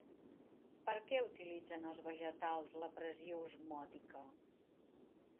Per què utilitzen els vegetals la pressió osmòtica?